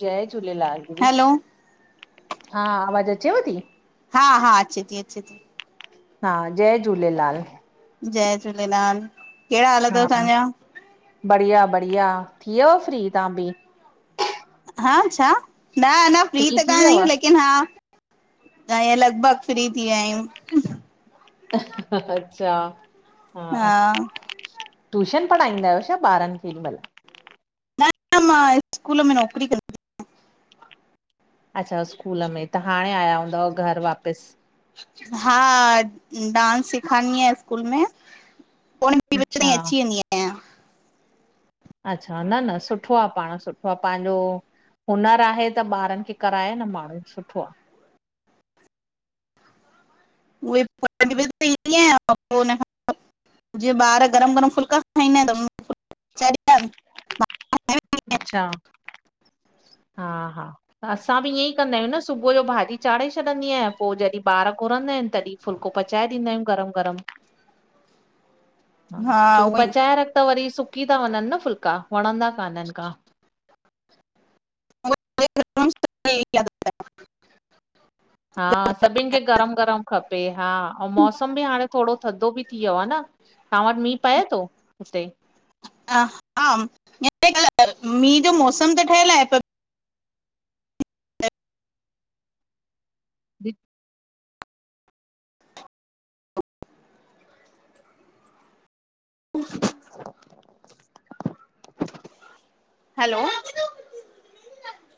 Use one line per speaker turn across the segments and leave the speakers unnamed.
जय झूलेलाल दीदी,
हैलो
हा आवाजु अचेव ती?
हा हा अचे ती अचे ती।
हा जय झूलेलाल।
जय झूलेलाल। कहिड़ा हाल
हा
अथव
हा
तव्हांजा
बढ़िया बढ़िया, थी वयव फ्री तहां बि?
हा छा न अञा फ्री त
थी
कान
वियव?
आयूं लेकिन हा ऐं लगभगु फ्री थी विया आहियूं।
अच्छा हा। ट्यूशन पढ़ाईंदा आहियो छा ॿारनि खेे हि महल?
न मां स्कूल में नौकरी कंदि आहियां।
अच्छा स्कूल में त हाणे आया हूंदव घरु वापिसि।
हा डांस सिखारंदी आहिया में ईस्कूल में हिक ॿि बजे ताईं
अच्छा
अची वेंंदी आया।
अच्छा न न सुठो आ पाण सुठो। पाहांजो हुनरु आहे त ॿारनि खे कराए न माण्हू सुठो आ।
उ [inaudible] जीअं ॿार गरम गरम फुल्का खाईंदा आहिनि ता पचाईंदी आहियां।
अच्छा। हा हा। त असां बि ईअं ई कंदा आहियूं न सुबुह जो भाॼी चाढ़े छॾंदी आहियां पो जॾहिं ॿार घुरंदा आहिनि तॾहिं फुल्को पचाए ॾींदा आहियूं गरमु गरमु।
[inaudible]
हा छोकी पचाए रख त वरी सुकी ता वञनि न फुल्का वणंदा कान्हनि का।
[unintelligible]
हा सभिनी खे गरम गरम खपे हा, अऊं मौसम बि हाणे थोरो थधो बि थी वियो आ न, तहां वट मींहं पए तो, हुते?
ह हा हिते मींह जो मोसमु त ठहियल आहे
जी।
कु [inaudible] हलो।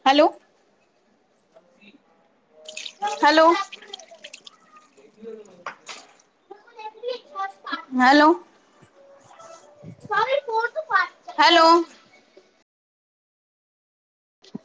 हलो। हलो। हलो।